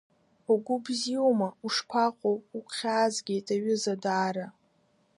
Угәы бзиоума, ушԥаҟоу, угәхьаазгеит аҩыза даара?